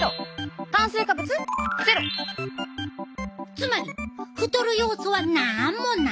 つまり太る要素はなんもない！